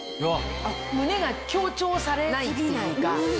胸が強調されないっていうか。